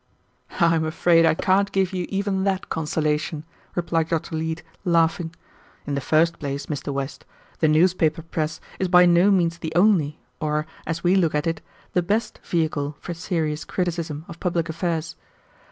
"I am afraid I can't give you even that consolation," replied Dr. Leete, laughing. "In the first place, Mr. West, the newspaper press is by no means the only or, as we look at it, the best vehicle for serious criticism of public affairs.